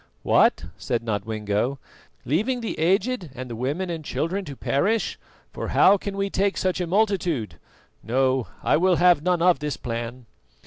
"What," said Nodwengo, "leaving the aged and the women and children to perish, for how can we take such a multitude? No, I will have none of this plan."